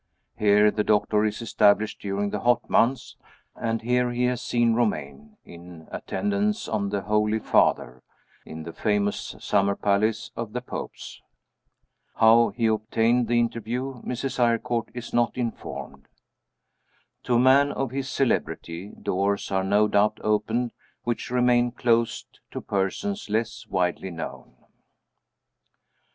Here the doctor is established during the hot months and here he has seen Romayne, in attendance on the "Holy Father," in the famous summer palace of the Popes. How he obtained the interview Mrs. Eyrecourt is not informed. To a man of his celebrity, doors are no doubt opened which remain closed to persons less widely known.